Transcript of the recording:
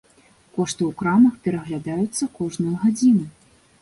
Кошты ў крамах пераглядаюцца кожную гадзіну.